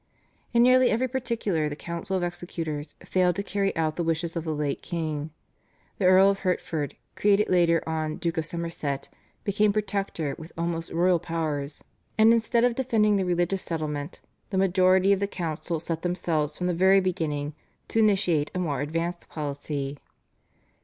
In nearly every particular the council of executors failed to carry out the wishes of the late king. The Earl of Hertford, created later on Duke of Somerset, became Protector with almost royal powers, and instead of defending the religious settlement the majority of the council set themselves from the very beginning to initiate a more advanced policy.